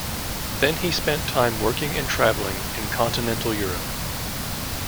Then he spent time working and travelling in Continental Europe.